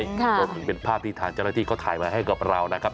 มันเป็นภาพที่ธารจรฐีเขาถ่ายมาให้กับเรานะครับ